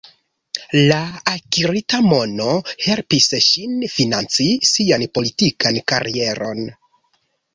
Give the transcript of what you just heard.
La akirita mono helpis ŝin financi sian politikan karieron.